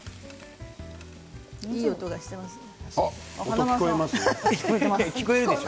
いい音がしていますね。